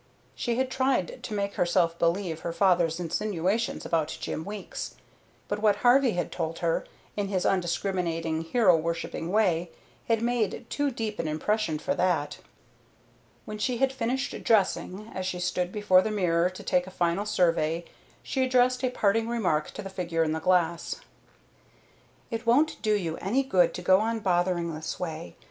She had tried to make herself believe her father's insinuations about Jim Weeks; but what Harvey had told her, in his undiscriminating, hero worshipping way, had made too deep an impression for that. When she had finished dressing, as she stood before the mirror to take a final survey, she addressed a parting remark to the figure in the glass: "It won't do you any good to go on bothering this way.